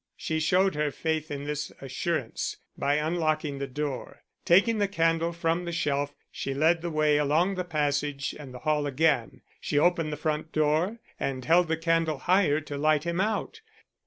She showed her faith in this assurance by unlocking the door. Taking the candle from the shelf, she led the way along the passage and the hall again. She opened the front door, and held the candle higher to light him out.